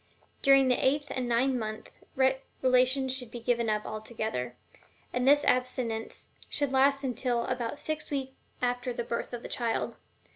During the eighth and ninth months relations had best be given up altogether. And this abstinence should last until about six weeks after the birth of the child.